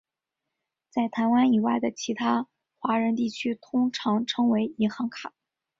在台湾以外的其他华人地区通常称为银行卡。